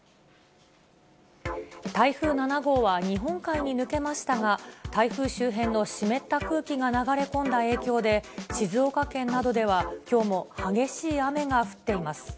台風７号は、日本海に抜けましたが、台風周辺の湿った空気が流れ込んだ影響で、静岡県などではきょうも激しい雨が降っています。